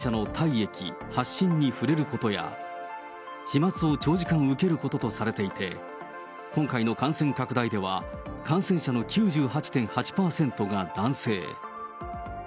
サル痘の感染経路は、感染者の体液、発疹に触れることや、飛まつを長時間受けることとされていて、今回の感染拡大では、感染者の９８．８％が男性。